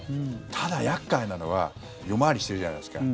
ただ、厄介なのは夜回りしてるじゃないですか。